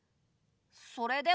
それでも。